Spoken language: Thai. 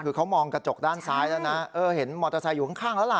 คือเขามองกระจกด้านซ้ายแล้วนะเออเห็นมอเตอร์ไซค์อยู่ข้างแล้วล่ะ